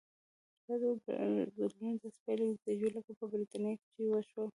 دا ډول بدلونونه داسې پایلې زېږوي لکه په برېټانیا کې چې وشول.